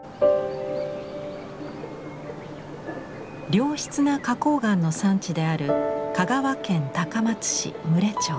良質な花こう岩の産地である香川県高松市牟礼町。